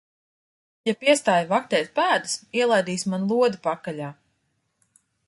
Ja piestāji vaktēt pēdas, ielaidīsi man lodi pakaļā.